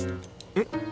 えっ？